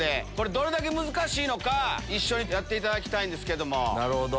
どれだけ難しいのか一緒にやっていただきたいんですけども。